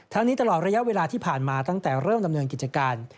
นี้ตลอดระยะเวลาที่ผ่านมาตั้งแต่เริ่มดำเนินกิจการ